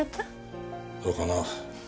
どうかな。